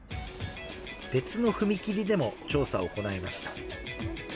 別の踏切でも調査を行いました。